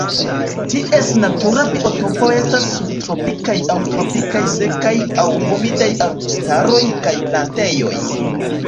Ties natura biotopo estas subtropikaj aŭ tropikaj sekaj aŭ humidaj arbustaroj kaj plantejoj.